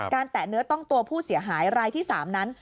แตะเนื้อต้องตัวผู้เสียหายรายที่๓นั้น